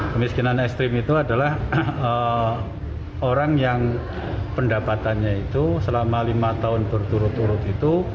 kemiskinan ekstrim itu adalah orang yang pendapatannya itu selama lima tahun berturut turut itu